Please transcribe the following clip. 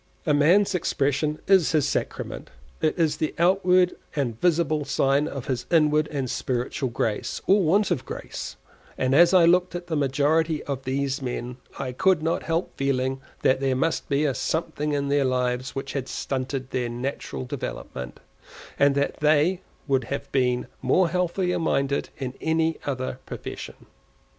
A man's expression is his sacrament; it is the outward and visible sign of his inward and spiritual grace, or want of grace; and as I looked at the a majority of these men, I could not help feeling that there must be a something in their lives which had stunted their natural development, and that they would have been more healthily minded in any other profession.